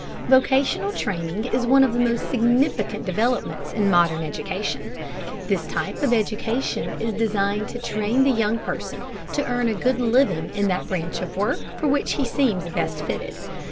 Vocational training is one of the most significant developments in modern education. This type of education is designed to train the young person to earn a good living in that branch of work for which he seems best fitted.